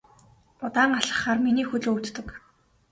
Удаан алхахлаар миний хөл өвддөг.